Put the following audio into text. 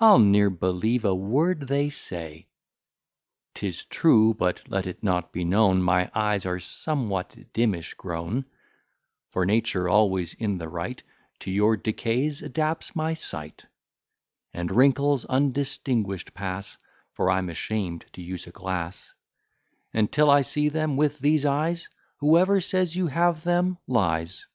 I'll ne'er believe a word they say. 'Tis true, but let it not be known, My eyes are somewhat dimmish grown; For nature, always in the right, To your decays adapts my sight; And wrinkles undistinguished pass, For I'm ashamed to use a glass: And till I see them with these eyes, Whoever says you have them, lies.